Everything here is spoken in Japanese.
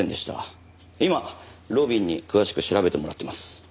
今路敏に詳しく調べてもらってます。